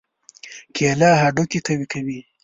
کېله هډوکي قوي کوي.